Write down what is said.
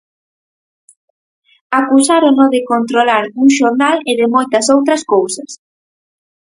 Acusárono de controlar un xornal e de moitas outras cousas.